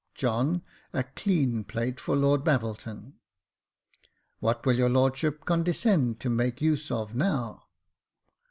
John, a clean plate for Lord Babbleton. What will your lordship condescend to niake use of now